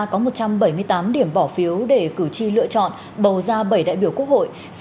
có một trăm bảy mươi tám điểm bỏ phiếu để cử tri lựa chọn bầu ra bảy đại biểu quốc hội